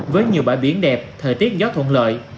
với nhiều bãi biển đẹp thời tiết gió thuận lợi